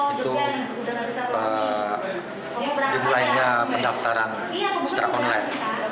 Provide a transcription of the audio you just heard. itu dimulainya pendaftaran secara online